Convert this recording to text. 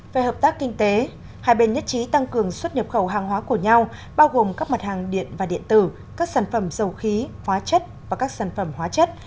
về hợp tác kinh tế hai bên nhất trí tăng cường xuất nhập khẩu hàng hóa của nhau bao gồm các mặt hàng điện và điện tử các sản phẩm dầu khí hóa chất và các sản phẩm hóa chất